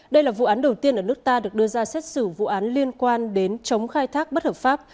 đây là vụ án đầu tiên ở nước ta được đưa ra xét xử vụ án liên quan đến chống khai thác bất hợp pháp